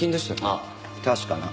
あっ確かな。